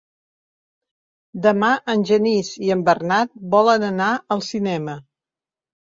Demà en Genís i en Bernat volen anar al cinema.